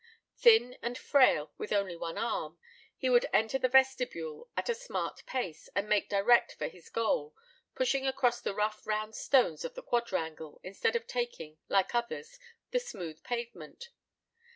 Thin and frail, with only one arm, he would enter the vestibule at a smart pace, and make direct for his goal, pushing across the rough round stones of the quadrangle, instead of taking, like others, the smooth pavement.